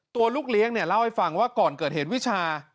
ตัวลูกเลี้ยงเล่าให้ฟังว่าก่อนเกิดเห็นวิชา